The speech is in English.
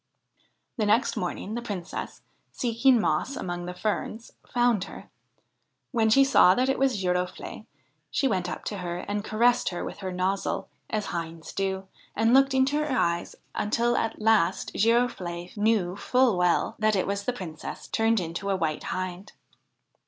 The next morning the Princess, seeking moss among the ferns, found her. When she saw that it was Girofle'e, she went up to her and caressed her with her nozzle, as hinds do, and looked into her eyes until at last Girofle'e knew full well that it was the Princess turned into a White Hind.